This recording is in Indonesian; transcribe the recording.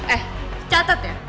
eh catet ya